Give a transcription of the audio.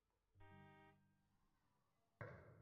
ছেলের বে বন্ধ করতে পারলেই মেয়ের বে আপনা হতে বন্ধ হয়ে যাবে।